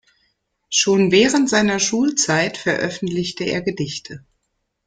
Schon während seiner Schulzeit veröffentlichte er Gedichte.